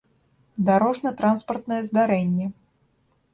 дарожна-транспартнае здарэнне